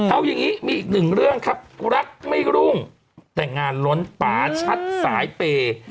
เอาอย่างนี้มีอีกหนึ่งเรื่องครับรักไม่รุ่งแต่งงานล้นป่าชัดสายเปย์